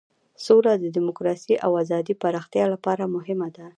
سوله د دموکراسۍ او ازادۍ پراختیا لپاره مهمه ده.